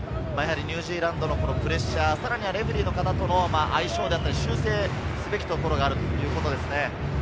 ニュージーランドのプレッシャー、レフェリーの方との相性であったり、修正すべきところがあるということですね。